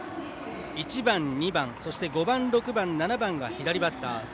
１番、２番そして５番、６番、７番が左バッター。